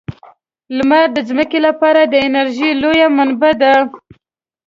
لمر د ځمکې لپاره د انرژۍ لویه منبع ده.